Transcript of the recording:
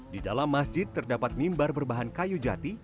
di dalam masjid terdapat mimbar berbahan kayu jati